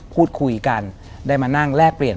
พูดคุยกันได้มานั่งแลกเปลี่ยน